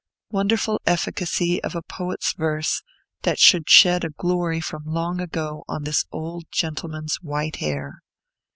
Wonderful efficacy of a poet's verse, that could shed a glory from Long Ago on this old gentleman's white hair!